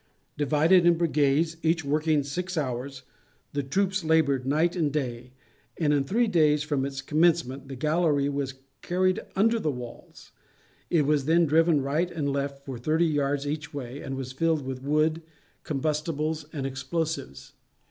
Divided in brigades, each working six hours, the troops laboured night and day, and in three days from its commencement the gallery was carried under the walls. It was then driven right and left for thirty yards each way, and was filled with wood, combustibles, and explosives.